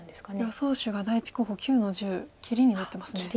予想手が第１候補９の十切りになってますね。